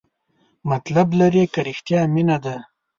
مطلب لري که رښتیا مینه ده؟